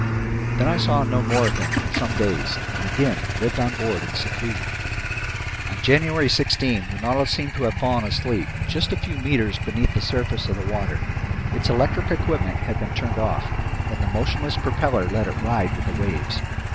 Then I saw no more of him for some days and again lived on board in seclusion. On January 16 the Nautilus seemed to have fallen asleep just a few meters beneath the surface of the water. Its electric equipment had been turned off, and the motionless propeller let it ride with the waves.